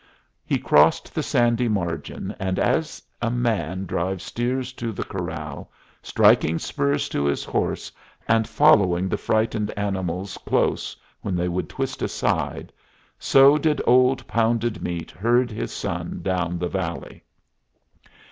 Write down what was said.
He crossed the sandy margin, and as a man drives steers to the corral, striking spurs to his horse and following the frightened animals close when they would twist aside, so did old Pounded Meat herd his son down the valley.